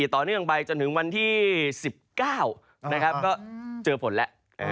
ต่อเนื่องไปจนถึงวันที่๑๙ก็เจอผลแล้ว